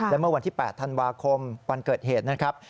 และเมื่อวันที่๘ธันวาคมวันเกิดเหตุนะครับ